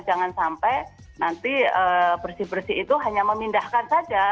jangan sampai nanti bersih bersih itu hanya memindahkan saja